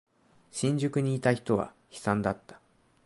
新宿にいた人は悲惨だった。